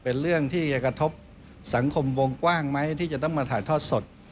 เป็นเรื่องที่จะกระทบสังคมวงกว้างไหมที่จะต้องมาถ่ายทอดสด